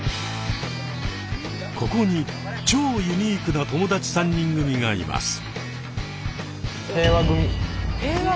ここに超ユニークな友達３人組がいます。